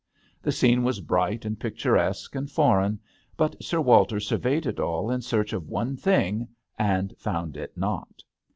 The scene was bright and pic turesque and fbreign, but Sir Walter surveyed it all in search of one thing, and found it not.